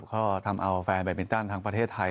ก็ทำเอาแฟนแบบมินตันทางประเทศไทย